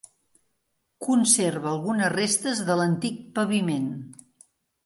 Conserva algunes restes de l'antic paviment.